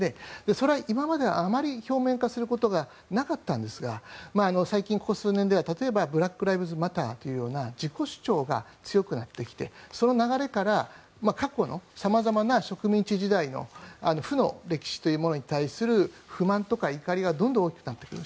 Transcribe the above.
それは今まではあまり表面化することがなかったんですが最近、ここ数年では例えば、ブラック・ライブズ・マターというような自己主張が強くなってきてその流れから過去の様々な植民地時代の負の歴史というものに対する不満とか怒りがどんどん大きくなってくる。